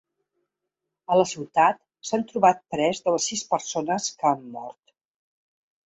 A la ciutat s’han trobat tres de les sis persones que han mort.